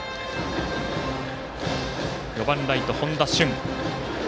４番ライト、本多駿。